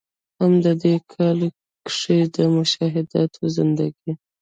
هم د ې کال کښې د“مشاهدات زندګي ”